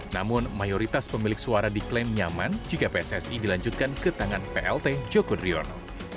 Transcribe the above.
namun mayoritas pemilik suara diklaim nyaman jika pssi dilanjutkan ke tangan plt joko driono